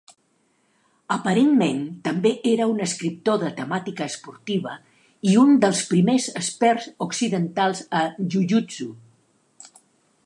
Aparentment també era un escriptor de temàtica esportiva i un dels primers experts occidentals en Jujutsu.